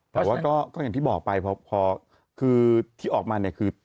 แต่ว่าก็อย่างที่บอกไปพอคือที่ออกมาเนี่ยคือ